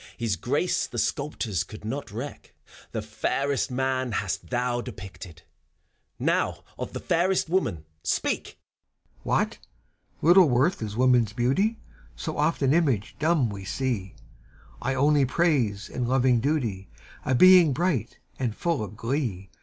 His grace the sculptors could not wreak. The fairest Man hast thou depicted, Now of the fairest Woman speak! 96 FAUST, CHIRON. What I — Little worth is woman's beaaty. So oft an image dumb we sec : I only praise, in loving duty, A being bright and full of glee.